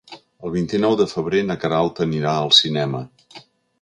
El vint-i-nou de febrer na Queralt anirà al cinema.